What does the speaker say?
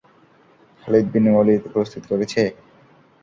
Khalid bin Walid প্রস্তুত করেছে?